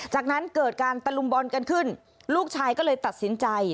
จากนั้นเกิดการตะลุมบอลกันขึ้นลูกชายก็เลยตัดสินใจ